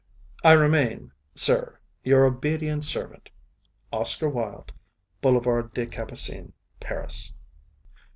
I remain, Sir, your obedient servant, OSCAR WILDE. BOULEVARD DES CAPUCINES, PARIS.